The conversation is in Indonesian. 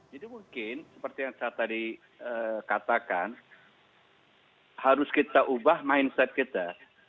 jadi mungkin seperti yang saya tadi katakan harus kita ubah mindset kita